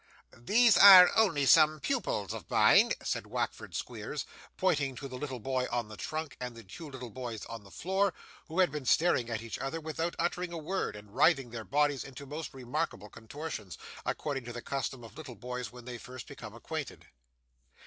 'These are only some pupils of mine,' said Wackford Squeers, pointing to the little boy on the trunk and the two little boys on the floor, who had been staring at each other without uttering a word, and writhing their bodies into most remarkable contortions, according to the custom of little boys when they first become acquainted.